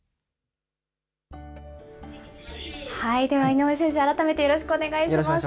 では井上選手、改めてよろしくお願いします。